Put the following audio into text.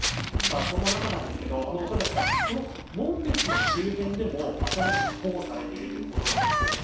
そんな中ですがこの紋別周辺でもアザラシが保護されているということなんですよね。